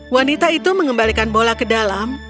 wanita itu mengembalikan bola ke dalam